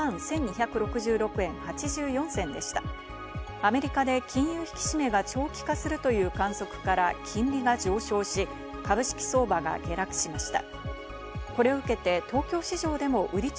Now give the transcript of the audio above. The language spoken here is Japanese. アメリカで引き締めが長期化するという観測から、金利が上昇し、株式相場が下落しました。